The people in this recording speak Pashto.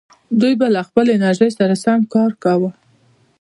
دوی به له خپلې انرژۍ سره سم کار کاوه.